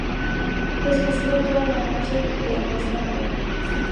Pues que siga toda la noche y el mes también